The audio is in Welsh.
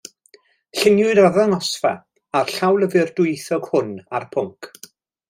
Lluniwyd arddangosfa a'r llawlyfr dwyieithog hwn ar y pwnc.